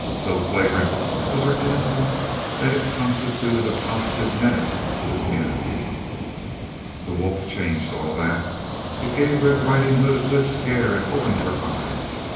So flagrant was her innocence that it constituted a positive menace to the community. The wolf changed all that. It gave Red Riding Hood a good scare and opened her eyes.